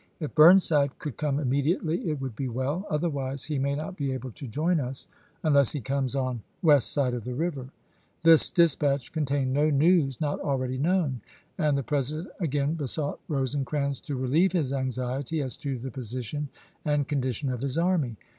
If Burnside could come immediately it would be well, otherwise he may not be able to join us unless he comes on west side of river." This dispatch contained no news not already known; and the President again besought Rose CHICKA.MAUGA 111 crans to relieve his anxiety as to the position and chap. rv. condition of his army.